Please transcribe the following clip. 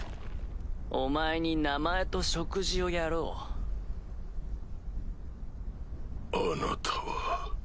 お前に名前と食事をやあなたは？